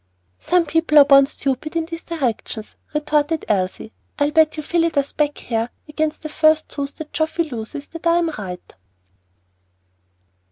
"Some people are born stupid in these directions," retorted Elsie. "I'll bet you Phillida's back hair against the first tooth that Geoffy loses that I am right."